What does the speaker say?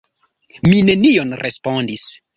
Mi nenion respondis.